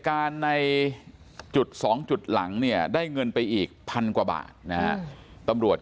การในจุด๒จุดหลังเนี่ยได้เงินไปอีกพันกว่าบาทนะฮะตำรวจ